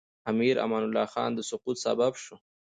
د امیر امان الله خان د سقوط سبب شو.